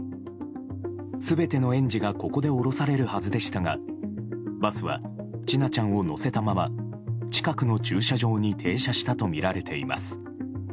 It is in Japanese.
全ての園児がここで降ろされるはずでしたがバスは千奈ちゃんを乗せたまま近くの駐車場に停車したとみられています。